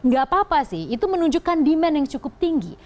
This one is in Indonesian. gak apa apa sih itu menunjukkan demand yang cukup tinggi